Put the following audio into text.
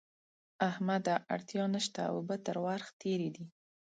احمده! اړتیا نه شته؛ اوبه تر ورخ تېرې دي.